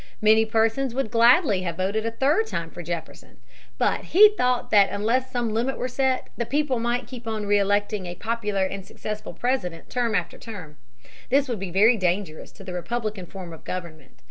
Many persons would gladly have voted a third time for Jefferson. But he thought that unless some limit were set, the people might keep on reëlecting a popular and successful President term after term. This would be very dangerous to the republican form of government.